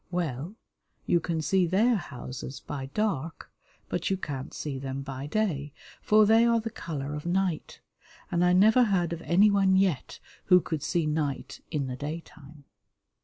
Well, you can see their houses by dark, but you can't see them by day, for they are the colour of night, and I never heard of anyone yet who could see night in the daytime.